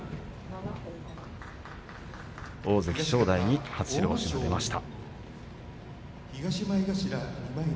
大関正代に初白星が出ました。